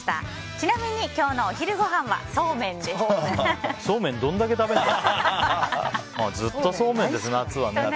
ちなみに今日のお昼ごはんはそうめんどんだけ食べるの。